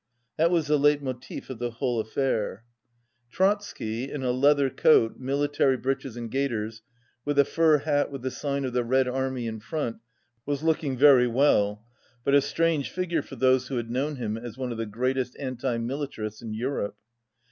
That was the leit motif of the whole affair. 216 Trotsky, in a leather coat, military breeches and gaiters, with a fur hat with the sign of the Red Army in front, was looking very well, but a strange figure for those who had known him as one of the greatest anti militarists in Europe.